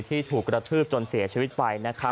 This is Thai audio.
ที่ถูกกระทืบจนเสียชีวิตไป